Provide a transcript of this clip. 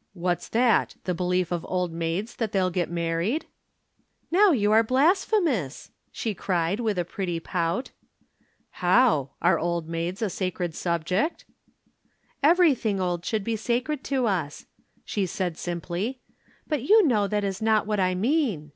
'" "What's that the belief of old maids that they'll get married?" "Now you are blasphemous," she cried with a pretty pout. "How? Are old maids a sacred subject?" "Everything old should be sacred to us," she said simply. "But you know that is not what I mean."